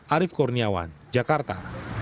arief kurniawan jakarta